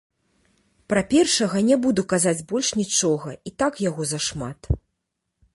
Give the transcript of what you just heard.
Пра першага не буду казаць больш нічога, і так яго зашмат.